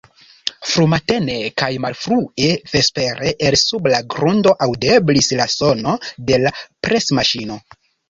Frumatene kaj malfrue vespere el sub la grundo aŭdeblis la sono de la presmaŝino.